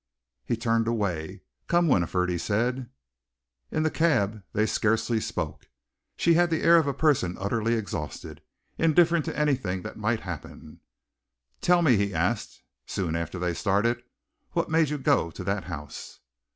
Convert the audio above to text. He turned away. "Come, Winifred," he said. In the cab they scarcely spoke. She had the air of a person utterly exhausted, indifferent to anything that might happen. "Tell me," he asked, soon after they started, "what made you go to that house?"